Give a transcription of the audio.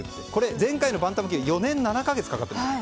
前回のバンタム級は４年７か月かかっています。